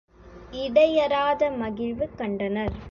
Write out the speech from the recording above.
இடையறாத மகிழ்வு கண்டனர்.